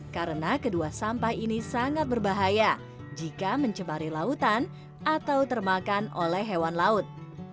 karena kedua sampah ini sangat berbahaya jika mencemari lautan atau termakan oleh hewan laut